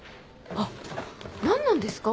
あっ何なんですか？